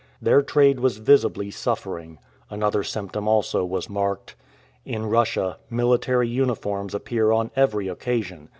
Their trade was visibly suffering. Another symptom also was marked. In Russia military uniforms appear on every occasion.